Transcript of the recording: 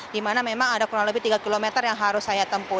di mana memang ada kurang lebih tiga kilometer yang harus saya tempuh